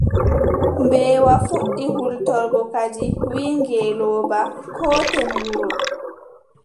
Mbeewa fuɗɗi hultorgo kadi, wiʼi ngeelooba: kooten wuro.